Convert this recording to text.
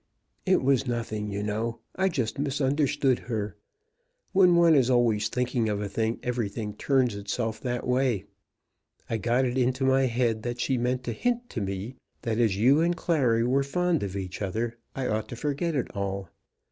"It was nothing, you know. I just misunderstood her. When one is always thinking of a thing everything turns itself that way. I got it into my head that she meant to hint to me that as you and Clary were fond of each other, I ought to forget it all.